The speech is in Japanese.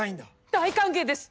大歓迎です！